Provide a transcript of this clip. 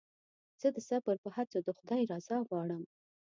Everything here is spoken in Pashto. زه د صبر په هڅو د خدای رضا غواړم.